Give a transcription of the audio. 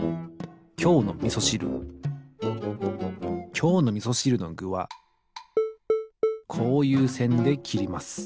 今日のみそしるのぐはこういうせんで切ります。